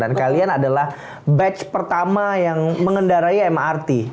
dan kalian adalah batch pertama yang mengendarai mrt